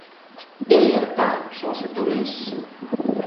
Теле эрта, шошо толеш.